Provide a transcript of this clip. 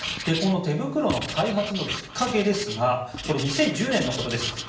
この手袋の開発のきっかけですが２０１０年のことです。